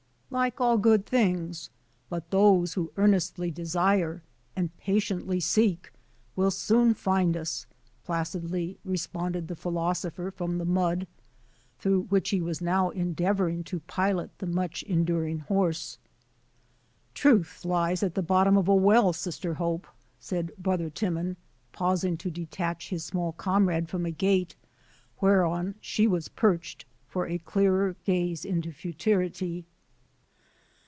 "Like all good things. But those who ear [nestly desire and patiently seek will soon find us," placidly responded the philosopher from the mud, through which he was now endeavoring to pilot the much enduring horse. Digitized by VjOOQ IC TRANSCENDENTAL WILD OATS 151 "Truth lies at the bottom of a well, Sister Hope," said Brother Timon, pausing to detach his small comrade from a gate, whereon she was perched for a clearer gaze into futurity.